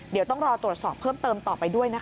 เดี๋ยวต้องรอตรวจสอบเพิ่มเติมต่อไปด้วยนะคะ